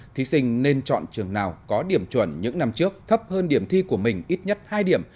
thí sinh nên chọn trường nào có điểm chuẩn những năm trước thấp hơn điểm thi của mình ít nhất hai điểm